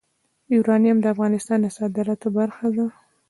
یورانیم د افغانستان د صادراتو برخه ده.